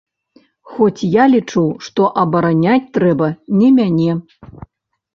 Хоць я лічу, што абараняць трэба не мяне.